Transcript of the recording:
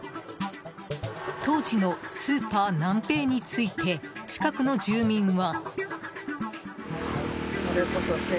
当時のスーパーナンペイについて近くの住民は。